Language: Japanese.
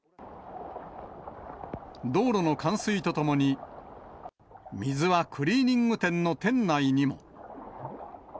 道路の冠水とともに、水はクリーニング店の店内にも。